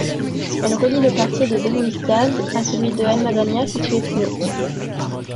Elle relie le quartier de Belouizdad à celui deEl Madania situé plus haut.